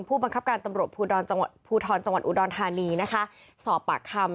ผู้บังคับการตำรวจภูตรจังหวันอุดรธานีนะคะสอบปากคำ